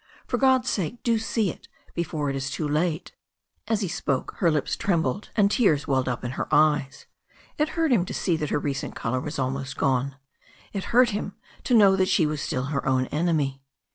For God's sake do see it before it is too late." As he spoke her lips trenibled, and tears welled up in her eyes. It hurt him to see that her recent colour was almost gone. It hurt him to know that she was still her own enemy.